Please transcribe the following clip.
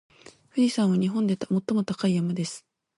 富士山は日本で最も高い山です。